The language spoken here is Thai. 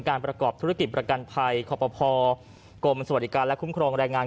ประกอบธุรกิจประกันภัยขอปภกรมสวัสดิการและคุ้มครองแรงงาน